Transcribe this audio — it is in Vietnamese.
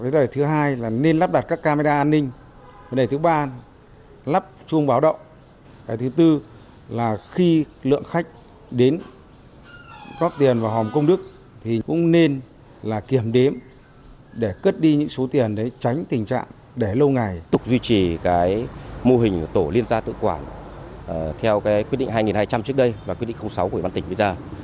duy trì mô hình tổ liên gia tự quản theo quyết định hai nghìn hai trăm linh trước đây và quyết định sáu của ủy ban tỉnh bây giờ